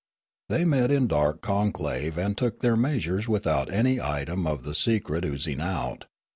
They met in dark conclave and took their measures without any item of the secret ooz ing out.